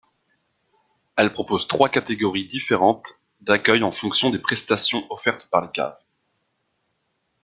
Elle propose trois catégories différentes d'accueil en fonction des prestations offertes par les caves.